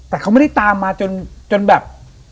แต่เขาไม่ได้ตามมาจนแบบ